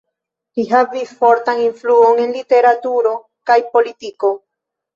Li havis fortan influon en literaturo kaj politiko.